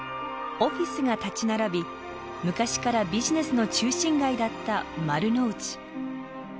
オフィスが立ち並び昔からビジネスの中心街だった丸の内。